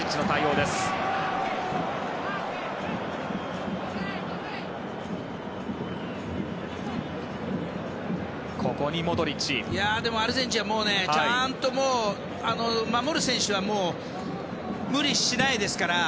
でも、アルゼンチンはちゃんと、守る選手は無理しないですから。